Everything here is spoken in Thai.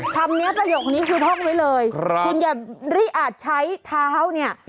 คำนี้ประโยคนี้คือท่องไว้เลยคุณอย่ารีอาจใช้เท้าเนี่ย